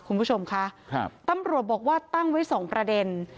คุณผู้ชมคะตำรวจบอกว่าตั้งไว้สองประเด็น